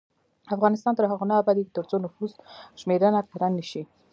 افغانستان تر هغو نه ابادیږي، ترڅو نفوس شمېرنه کره نشي.